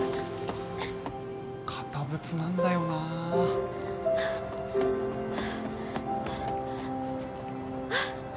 堅物なんだよなあっ